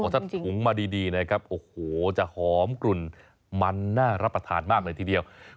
ถ้าถุงมาดีนะครับโอ้โหจะหอมกลุ่นมันน่ารับประทานมากเลยทีเดียว